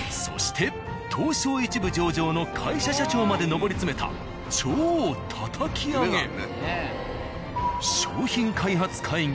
そして東証一部上場の会社社長まで上り詰めた超たたき上げ。